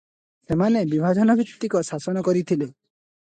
ସେମାନେ ବିଭାଜନଭିତ୍ତିକ ଶାସନ କରିଥିଲେ ।